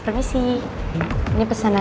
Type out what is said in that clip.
permisi ini pesanannya ya